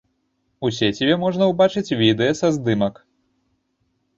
У сеціве можна ўбачыць відэа са здымак.